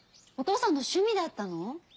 お父さんの趣味だったの？